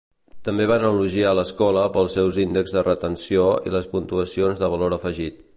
També van elogiar l'escola pels seus índex de retenció i les puntuacions de valor afegit.